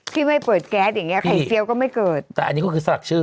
ที่ไม่เปิดแก๊สอย่างเงี้ไข่เฟี้ยวก็ไม่เกิดแต่อันนี้ก็คือสักชื่อ